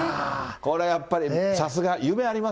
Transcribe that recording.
これ、やっぱりさすが、夢ありま